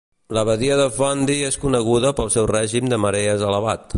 La badia de Fundy és coneguda pel seu règim de marees elevat.